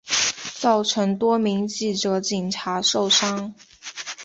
造成多名记者警察受伤